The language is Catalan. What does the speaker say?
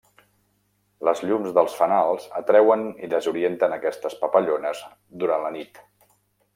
Les llums dels fanals atreuen i desorienten aquestes papallones durant la nit.